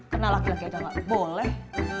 kenal laki laki aja gak boleh